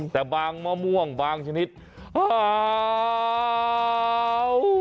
แต่บางมะม่วงบางชนิดหาย